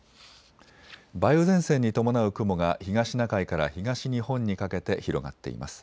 梅雨前線に伴う雲が東シナ海から東日本にかけて広がっています。